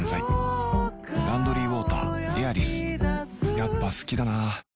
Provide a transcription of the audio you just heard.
やっぱ好きだな